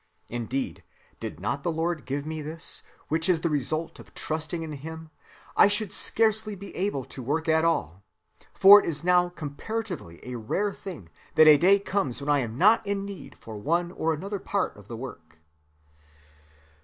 Indeed, did not the Lord give me this, which is the result of trusting in him, I should scarcely be able to work at all; for it is now comparatively a rare thing that a day comes when I am not in need for one or another part of the work."